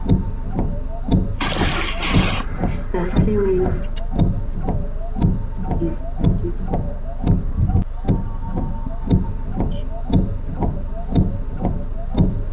The series is produced by Chicago's International Music Foundation.